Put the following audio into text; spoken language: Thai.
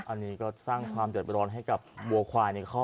อันนี้ก็สร้างความเดือดร้อนให้กับวัวควายในข้อ